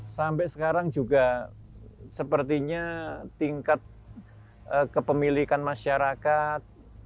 sampai sekarang juga sepertinya tingkat kepemilikan masyarakat